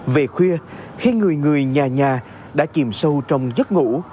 về khuya khi người người nhà nhà đã chìm sâu trong giấc ngủ